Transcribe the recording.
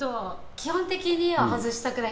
基本的には外したくない。